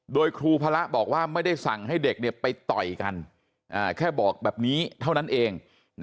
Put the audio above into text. โดยครูพระบอกว่าไม่ได้สั่งให้เด็กไปต่อยกันแค่บอกแบบนี้เท่านั้นเอง